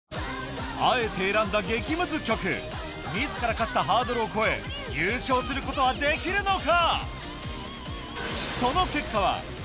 あえて選んだ激ムズ曲自ら課したハードルを越え優勝することはできるのか？